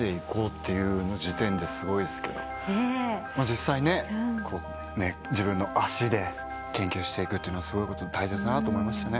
実際ね自分の足で研究して行くっていうのはすごいこと大切だなと思いましたね。